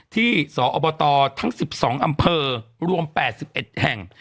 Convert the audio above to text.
ที่สอบตทั้ง๑๒อำเภอรวม๘๑แห่ง